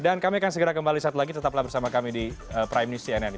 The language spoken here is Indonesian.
dan kami akan segera kembali satu lagi tetaplah bersama kami di prime news cnn indonesia